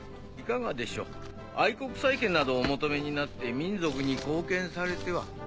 いかがでしょう愛国債券などお求めになって民族に貢献されては？